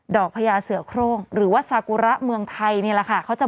พญาเสือโครงหรือว่าซากุระเมืองไทยนี่แหละค่ะ